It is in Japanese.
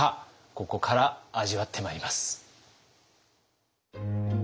ここから味わってまいります。